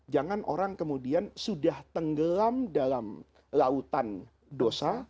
jangan orang kemudian sudah tenggelam dalam lautan dosa